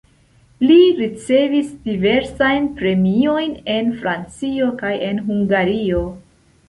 Li ricevis diversajn premiojn en Francio kaj en Hungario.